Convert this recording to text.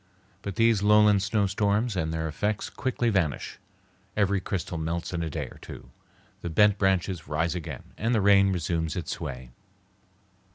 But these lowland snowstorms and their effects quickly vanish; every crystal melts in a day or two, the bent branches rise again, and the rain resumes its sway.